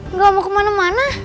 nggak mau kemana mana